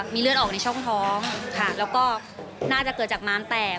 มีเลือดออกในช่องท้องค่ะแล้วก็น่าจะเกิดจากม้ามแตก